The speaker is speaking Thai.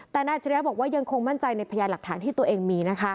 แต่นายอาชิริยะบอกว่ายังคงมั่นใจในพยานหลักฐานที่ตัวเองมี